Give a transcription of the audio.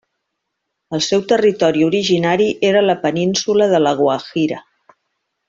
El seu territori originari era la península de La Guajira.